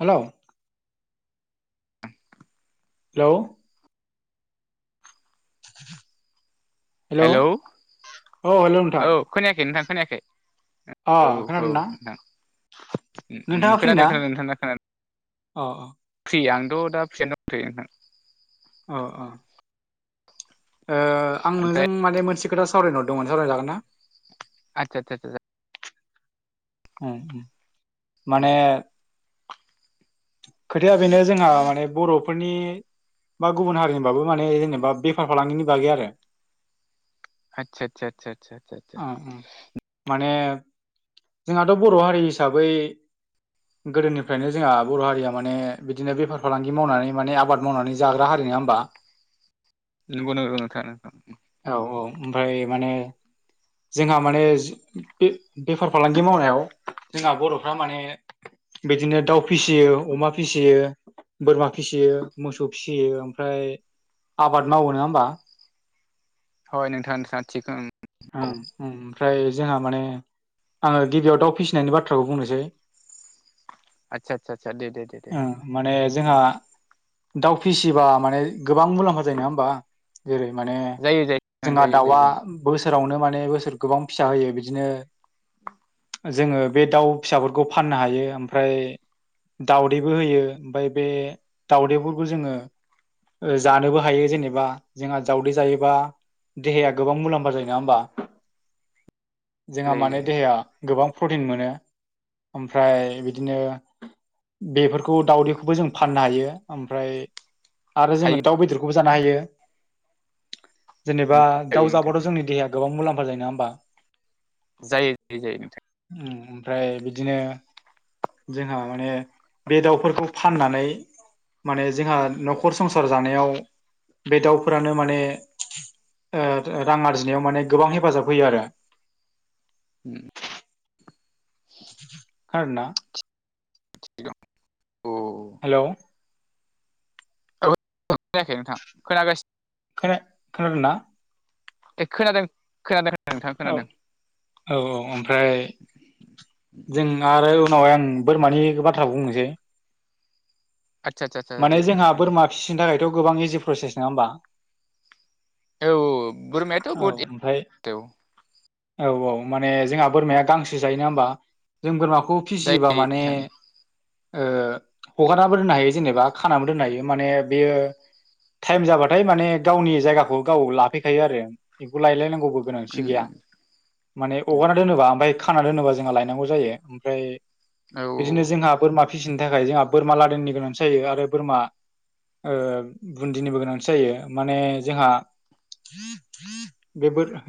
Hello hello hello औ hello नोंथां औ खोनायाखै नोंथां खोनायाखै अ खोनादोंना उम उम नोंथाङा फ्रि ना खोनादों खोनादों नोंथां खोनादों अ अ फ्रि आं औ' दा फ्रियैनो दंथ'यो नोंथां अह अह। ओ आं नोंजों ओमफ्राय माने मोनसे खोथा सावरायनो हरदोंमोन सावराय जागोन ना। आतसा आतसा आतसा। उम माने खोथाया बेनो जोंहा माने बर'फोरनि बा गुबुन हारिनिबाबो माने जेनेबा बेफार फालांगिनि बागै आरो। आतसा आतसा आतसा आतसा सा। ओ ओ माने जोंहाथ' बर' हारि हिसाबै गोदोनिफ्रायनो जोंहा। बर' हारिया माने बिदिनो बेफार फालांगि मावनानै माने आबाद मावनानै जाग्रा हारि नङा होमबा। नंगौ नंगौ नंगौ नोंथां नंगौ। ओमफाय माने जोंहा माने बे बेफार फालांगि मावनायाव जोंहा बर'फ्रा माने बिदिनो दाउ फिसियो अमा फिसियो बोरमा फिसियो मोसौ फिसियो ओमफ्राय। आबाद मावो नङा होमबा। हय नोंथां नोंथांङा थिग औ औ नोंथां। ओमफ्राय जोंहा माने आङो गिबियाव दाउ फिसिनायनि बाथ्राखौ बुंनोसै। आतसा आतसा आतसा दे दे दे दे। ओं माने जोंहा दाउ फिसिबा माने गोबां मुलाम्फा जायो नङा होमबा। जेरै माने जायो जायो नोंथां जोंहा जायो दाउआ जायो बोसोरावनो माने बोसोर गोबां फिसा होयो बिदिनो। जोङो बे दाउ फिसाफोरखौ फाननो हायो ओमफ्राय। दाउदैबो होयो ओमफ्राय बे दाउदैफोरखौ जोङो। जानोबो हायो जेनेबा जोंहा दावदै जायोबा देहाया गोबां मुला म्फा जायो नङा होमबा जोंहा जायो माने जायो देहाया गोबां प्रटिन मोनो। ओमफ्राय बिदिनो बेफोरखौ दाउदैखौबो जों फाननो हायो ओमफ्राय आरो जोङो हायो दाउ बेदरखौबो जानो हायो जेनेबा जायो दाउ नोंथां जाबाथ'। जोंनि देहाया गोबां मुलाम्फा जायो नङा होमबा। जायो बिदिनो नोंथां ओमफ्राय बिदिनो जोंहा माने बे दाउफोरखौ फाननानै माने जोंहा न'खर संसार जानायाव बे दाउफोरानो माने ओ ओ रां आरजिनायाव माने गोबां हेफाजाब होयो आरो उम आरोना औ हेलौ औ खोनायाखै नोंथां खोनागासि खोना खोनादोंना ए खोनादों खोनादो। औ औ औ ओमफ्राय जों आरो उनावहाय आं बोरमानि बाथ्रा बुंनोसै। आदसा आदसा आदसा माने दे बुं जोंहा नोंथां दे बोरमा फिसिनो थाखायथ' गोबां इजि प्रसेस नङा होमबा। औ औ बोरमायाथ' औ बहुद ओमफाय औ औ औ माने जोंहा बोरमाया गांसो जायोना होमबा जों बोरमा खौ फिसियोबा जायो माने नोंथां ओ हगारनाबो दोननो हायो जेनेबा खानाबो दोननो हायो माने बेयो टाइम जाबाथाय माने गावनि जायगाखौ गाव लाफैखायो आरो बेखौ लायलाय नां गौबो गोनांथि उम गैया माने उम हगारना दोनोबा ओमफाय खाना दोनोबा जोंहा लाय नांगौ जायो ओमफ्राय औ बिदिनो जोंहा बोरमा फिसिनो थाखाय जोंहा बोरमा लादेननि गोनांथि जायो आरो बोरमा ओ बुन्दिनिबो गोनांथि जायो माने जोंहा बे बोरमा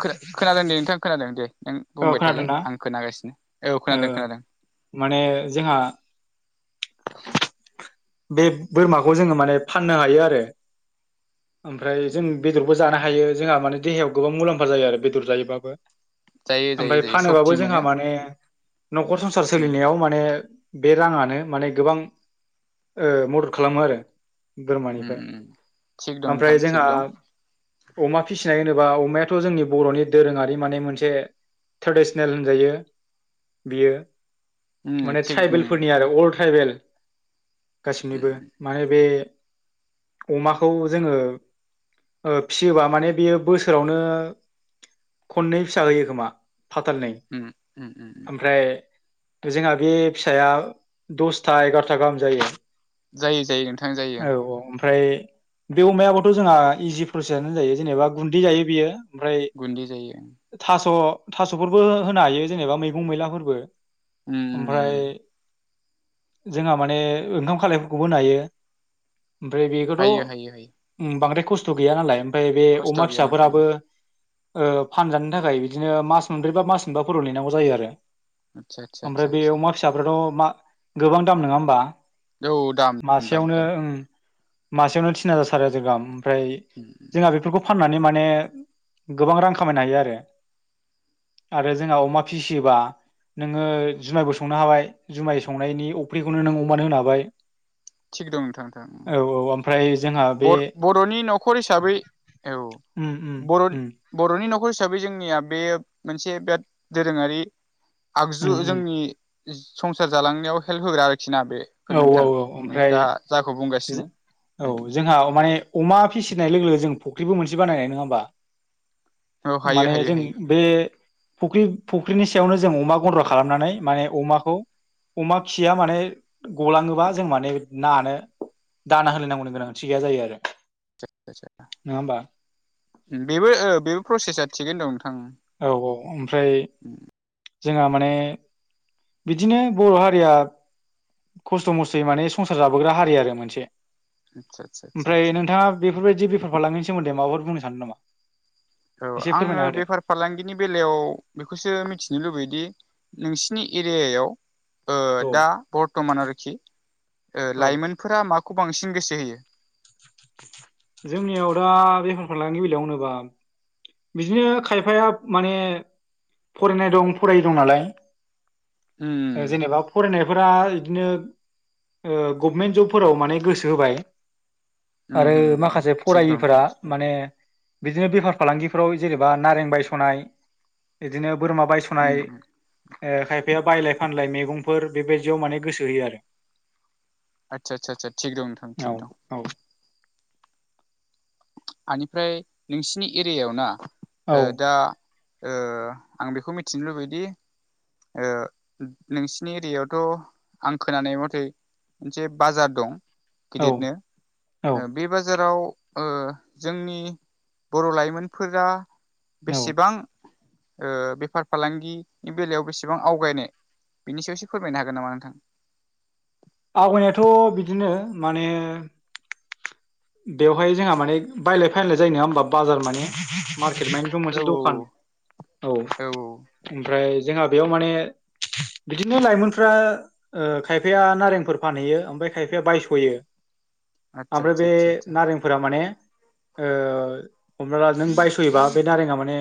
खोना खोनादों दे नोंथां खोनादों दे। नों औ बुंबाय थालाय खोनादोंना आं खोनागासिनो औ ओ खोनादों खोनादों। माने जोंहा बे बोरमाखौ जोङो माने फाननो हायो आरो। ओमफ्राय जों बेदरबो जानो हायो जोंहा माने देहायाव गोबां मुलाम्फा जायो आरो बेदर जायोबाबो। जायो जायो ओमफाय जायो फानोबाबो सक्ति जोंहा मोनो माने न'खर संसार उम सोलिनायाव माने बे राङानो माने गोबां ओ मदद खालामो आरो। उम बोरमानिफ्राय उम थिग दं ओमफ्राय नोंथां थिग जोंहा दं अमा फिसिनाय होनोबा अमायाथ' जोंनि बर'नि दोरोङारि माने मोनसे ट्रेडिसनेल होनजायो। बियो उम माने थिग उम ट्राइबेलफोरनि आरो अल ट्राइबेल गासिनिबो माने बे अमाखौ जोङो ओ फिसियोबा माने बेयो बोसोरावनो खननै फिसा होयो खोमा। फाथालनै उम उम ओमफ्राय जोंहा बे फिसाया दसथा एगार'था गाहाम जायो। जायो जायो नोंथां जायो। औ ओमफ्राय बे अमायाबोथ' जोंहा इजि प्रसेसआनो जायो जेनेबा गुन्दै जायो बियो। ओमफ्राय गुन्दै जायो थास' थास'फोरबो होनो हायो जेनेबा मैगं मैलाफोरबो। उम ओमफ्राय जोंहा माने ओंखाम खालायफोरखौबो होनो हायो ओमफ्राय बेखोथ' हायो हायो हायो बांद्राय खस्थ' गैया नालाय ओमफ्राय बे खस्थ' अमा गैया नोंथां फिसाफोराबो ओ फानजानो थाखाय बिदिनो मास मोनब्रै बा मास मोनबाफोराल' नेनांगौ जायो आरो। आदसा आदसा ओमफ्राय आदसा बे आदसा अमा फिसाफ्राथ' मा गोबां दाम नोङा होमबा। औ दाम दाम मासेयावनो दाम ओम मासेयावनो तिन हाजार सारि हाजार गाहाम ओमफ्राय उम उम जोंहा बेफोरखौ फाननानै माने गोबां रां खामायनो हायो आरो। आरो जोंहा अमा फिसियोबा नोङो जुमायबो संनो हाबाय जुमाय संनायनि अफ्रिखौनो नों अमानो होनो हाबाय। थिग दं नोंथां औ औ ओमफ्राय जोंहा नोंथां बे ब-बर'नि न'खर हिसाबै औ उम उम बर'नि उम बर'नि न'खर हिसा बै जोंनिया बे मोनसे बिराद दोरोङारि उम आगजु जोंनि संसार जालांनायाव हेल्प होग्रा आरो खिना बेफोर औ नोंथां औ ओमफ्राय दा जाखौ जो बुंगासिनो। औ जोंहा माने अमा फिसिनाय लोगो लोगो जों फुख्रिबो मोनसे बानायनो नङा होमबा। औ हायो माने हायो जों हायो बे फख्रि- फुख्रिनि सायावनो जों जों अमा गन्द्रा खालामनानै माने अमाखौ अमा खिया माने गलाङोबा जों माने नानो दाना होलायनांगौ गोनांथि गैया जायो आरो। नङा होमबा बेबो ओ- बेबो प्रसेसा थिगैनो दं नोंथां औ- औ- ओमफ्राय जोंहा माने बिदिनो बर' हारिया खस्थ' मस्थयै माने संसार जाबोग्रा हारि आरो मोनसे आदसा आदसा आदसा ओमफ्राय आदसा नोंथाङा बेफोरबायदि बेफार फालांगिनि सोमोन्दै माबाफोर बुंनो सानदों नामा औ- एसे आङो फोरमायना होदो बेफार फालांगिनि बेलायाव बेखौसो मिथिनो लुबैदि नोंसिनि एरियायाव ओ- दा औ बर्थमान आरोखि औ लाइमोनफोरा मा खौ- बांसिन गोसो होयो जोंनियाव दा- बेफार फालांगिनि बेलायाव होनोबा बिदिनो खायफाया माने फरायनाय दं फरायि दं नालाय उम जेनेबा फरायनाय फ्रा बिदिनो ओ गभमेन्ट जबफोराव माने गोसो होबाय। उम आरो उम माखासे थिग दं फरायिफोरा नोंथां थिग दं माने बिदिनो बेफार फालांगिफ्राव जेनेबा नारें बायस'नाय बिदिनो बोरमा उम बायस'नाय उम खायफाया बायलाय फानलाय मैगंफोर बेबायदियाव माने गोसो होयो आरो आदसा- आदसा नोंथां औ थिग दं। बेनिफ्राय नोंसिनि एरियावना ओ औ दा ओ आं बेखौ मिथिनो लुबैदि ओ नोंसिनि एरियायावथ' आं खोनानाय मथै मोनसे बाजार दं औ गिदिरनो औ बे बाजाराव ओ जोंनि बर' लाइमोनफोरा औ बेसेबां ओ बेफार फालांगिनि बेलायाव बेसेबां आवगायनाय बिनि सायावसो फोरमायनो हागोन नामा नोंथां? आवगायनायाथ' बिदिनो माने बेवहाय जोंहा माने बायलाय फायलाय जायो नङा होमबा बाजार माने मार औ मोनसे दखान औ औ- ओमफ्राय जोंहा बेयाव माने बिदिनो लाइमोनफ्रा ओ- खायफाया नारेंफोर फानहैयो ओमफ्राय खायफाया बायस'यो आतसा- ओमफ्राय आतसा बे नारेंफोरा माने ओ- हमनाला नों बायस'योबा बे नारेंआ माने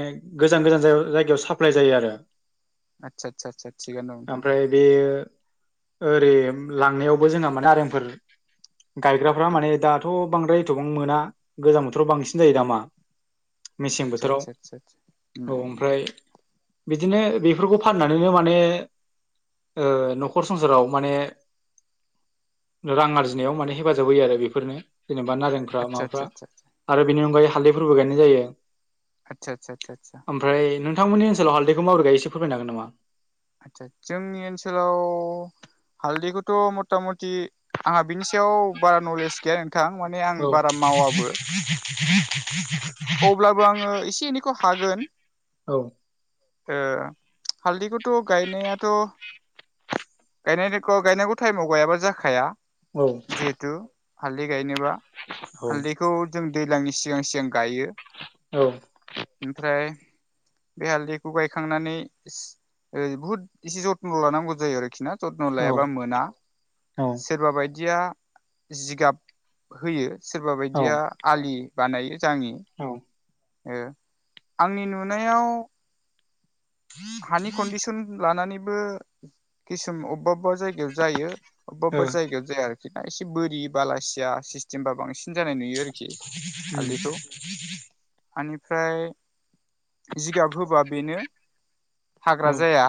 गोजान गोजान जायगायाव साप्लाय जायो। आरो आदसा आ- आ- थिगानो दं नोंथां ओमफ्राय बे ओरै लांनायावबो जोंहा माने आरेंफोर गायग्राफ्रा माने दा- थ' बांद्राय एथ'बां मोना गोजां बोथोराव बांसिन जायो दामा मेसें बोथोराव आदसा आदसा औ- ओमफ्राय बिदिनो बेफोरखौ फाननानैनो माने ओ न'खर संसाराव माने रां आरजिनायाव माने हेफाजाब होयो आरो बेफोरनो जेनेबा नारेंफ्रा आदसा आदसा माबाफ्रा आदसा आरो बेनि अनगायै हालदैफोरबो गायनाय जायो आच्छा आच्छा आच्छा आच्छा -थांमोननि ओनसोलाव हालदैखौ माबोरै गायो एसे फोरमायनो हागोन नामा आच्छा जोंनि ओनसोलाव हालदैखौथ' मथा मथि आंहा बिनि सायाव बारा नलेज गैया थां माने आं औ बारा मावाबो [unintelligible] अब्लाबो आङो एसे एनैखौ हागोन औ ओ हालदैखौथ' गायनायाथ' गायनांगौखौ गायनांगौ टाइमाव गायाबा जाखाया औ जिहेथु हाल्दै गायनोबा औ हालदैखौ जों दैज्लांनि सिगां सिगां गायो औ ओमफ्राय बे हालदैखौ गायखांनानै बुहुद इसे जत्न ' लानांगौ जायो आरोखि ना जत्न' औ लायाबा मोना औ सोरबा बायदि दिया जिगाब होयो सोरबा बायदिया आलि बानायो। जाङि औ ओ ओ आंनि नुनायाव हानि कन्दिस'न लानानैबो किसुम अबेबा जायगायाव जायो अबेबा अबेबा जायगायाव जाया आरोखि। जा एसे बोरि बालासिया सिस्टेमबा बांसिन जानाय नुयो आरोखि उम हालदिखौ। आनिफ्राय जिगाब होबा बेनो औ हाग्रा जाया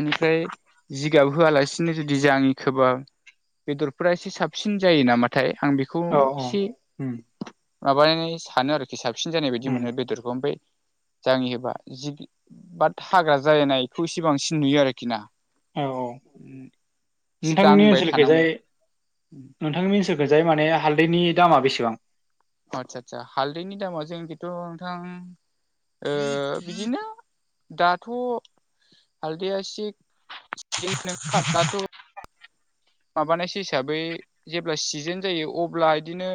आनिफ्राय जि जिगाब होआलासिनो जुदि जाङि खोबा बेदरफोरा एसे साबसिन जायो नामाथाय। आं बेखौ औ औ एसे उम माबानानै सानो आरोखि। साबसिन जानाय बायदि उम मोनो बेदरखौ ओमफ्राय जाङि होबा जि बाद हाग्रा जानायखौ इसे बांसिन नुयो आरोखि ना। औ औ। एसे नोंथांमोननि दांबाय ओनसोलखैजाय थानांगौ नोंथांमोननि ओनसोलखैजाय माने हालदैनि दामा बिसिबां? आच्छा आच्छा हालदैनि दामा जोंनिखैथ' नोंथां ओ बिदिनो दाथ' हालदैया इसे [unintelligible] माबानायसो हिसाबै जेब्ला सिजोन जायो अब्ला इदिनो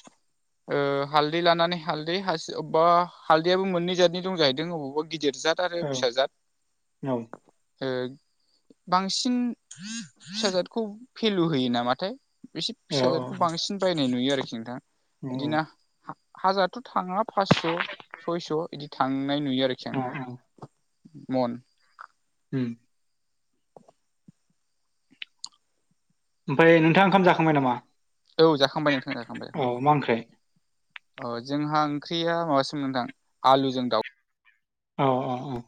[inaudible] ओ हालदै लानानै हालदै हासि अबेबा हालदैयाबो मोननै जाथनि दं जाहैदों अबावबा गिदिर जाद आरो औ फिसा जाद औ ओ बांसिन [inaudible] फिसा जादखौ भेलु होयो नामाथाय। एसे औ फिसा जादखौ बांसिन बायनाय नुयो आरोखि नोंथां इदिनो हाजारथ' थाङा पास्स' सयस' बिदि थांनाय नुयो आरोखि औ आं औ मन। [inaudible] ओमफ्राय नोंथाङा ओंखाम जाखांबाय नामा? औ जाखांबाय नोंथां जाखांबाय औ मा ओंख्रै? जाखांबाय औ जोंहा ओंख्रिया माबासो मोनदां आलुजों दाउ। अ अ अ।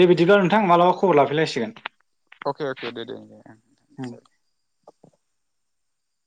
दे बिदिब्ला नोंथां माब्लाबा खबर लाफैलायसिगोन। अके अके दे दे।